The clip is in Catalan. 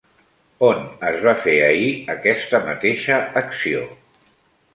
On es va fer ahir aquesta mateixa acció?